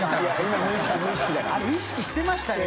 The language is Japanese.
あれ意識してましたよ